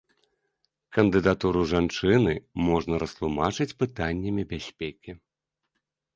Кандыдатуру жанчыны можна растлумачыць пытаннямі бяспекі.